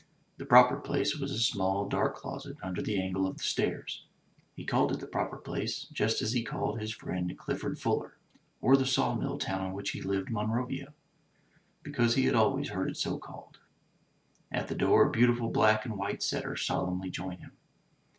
The Proper Place was a small, dark closet under the angle of the stairs. He called it the Proper Place just as he called his friend Clifford Fuller, or the saw mill town in which he lived Monrovia — ^because he had always heard it so called. At the door a beautiful black and white setter solemnly joined him.